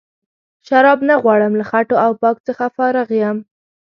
شراب نه غواړم له خټو او پاک څخه فارغ یم.